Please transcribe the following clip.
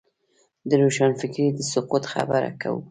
د روښانفکرۍ د سقوط خبره کوو.